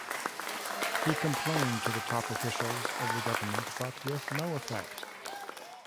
He complained to the top officials of the government but with no effect.